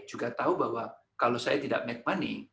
juga tahu bahwa kalau saya tidak membuat uang